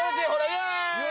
イエーイ